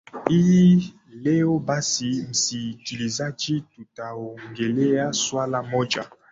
hii leo basi msikilizaji tutaongelea swala moja